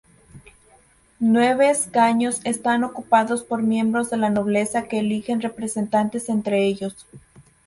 Nueve escaños están ocupados por miembros de la nobleza que eligen representantes entre ellos.